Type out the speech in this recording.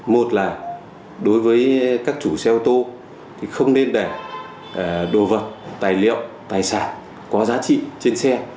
một là đối với các chủ xe ô tô thì không nên để đồ vật tài liệu tài sản có giá trị trên xe